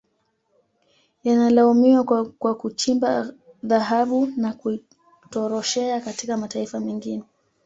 Yanalaumiwa kwa kuchimba dhahabu na kuitoroshea katika mataifa mengine